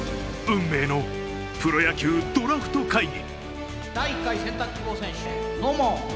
運命の「プロ野球ドラフト会議」